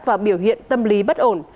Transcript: và biểu hiện tâm lý bất ổn